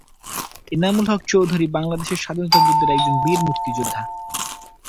এনামুল হক চৌধুরী বাংলাদেশের স্বাধীনতা যুদ্ধের একজন বীর মুক্তিযোদ্ধা।